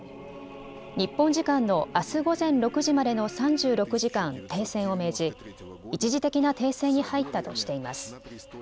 日本時間のあす午前６時までの３６時間、停戦を命じ一時的な停戦に入ったとしています。